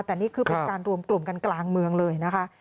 แต่นี่คือเป็นการรวมกลุ่มกันกลางเมืองเลยนะคะ